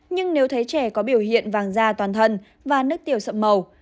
nhưng nếu thấy trẻ có biểu hiện vàng da toàn thân và nước tiểu sậm màu